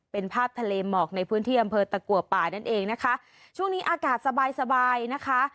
เป็นภาพทะเลหมอกในพื้นที่อำเภอตะกัวป่านั่นเองนะคะช่วงนี้อากาศสบายสบายนะคะ